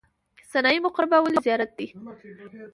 سنايي مقبره ولې زیارت دی؟